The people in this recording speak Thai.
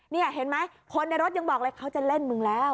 นี่เห็นไหมคนในรถยังบอกเลยเขาจะเล่นมึงแล้ว